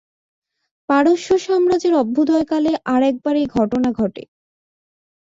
পারস্য-সাম্রাজ্যের অভ্যুদয়কালে আর একবার এই ঘটনা ঘটে।